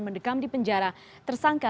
mendekam di penjara tersangka